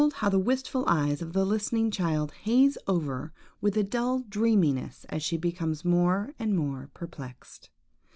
how the wistful eyes of the listening child haze over with a dull dreaminess as she becomes more and more perplexed.